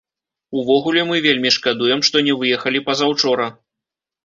Увогуле, мы вельмі шкадуем, што не выехалі пазаўчора.